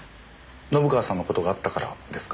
信川さんの事があったからですか？